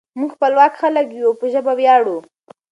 موږ خپلواک خلک یو او په ژبه ویاړو.